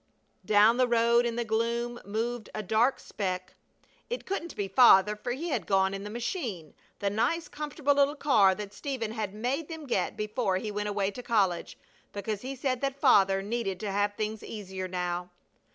Down the road in the gloom moved a dark speck. It couldn't be Father, for he had gone in the machine the nice, comfortable little car that Stephen had made them get before he went away to college, because he said that Father needed to have things easier now.